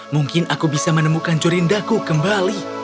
mungkin aku bisa menemukan jorindaku kembali